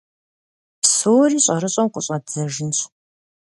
Псори щӀэрыщӀэу къыщӀэддзэжынщ…